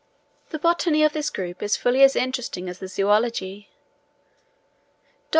The botany of this group is fully as interesting as the zoology. Dr.